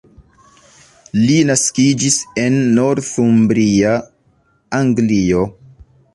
Li naskiĝis en Northumbria, Anglio.